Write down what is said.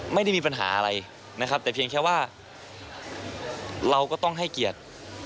ไม่ได้มีปัญหาอะไรนะครับแต่เพียงแค่ว่าเราก็ต้องให้เกียรติ